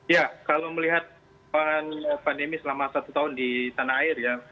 ya kalau melihat pandemi selama satu tahun di tanah air ya